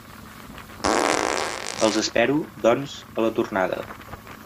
Els espero, doncs, a la tornada.